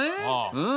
うん？